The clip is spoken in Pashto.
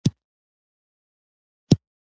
کله چې د ګیري شرون ډالري بکسونه پنجشیر ته را ورسېدل.